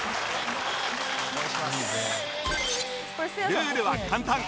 ルールは簡単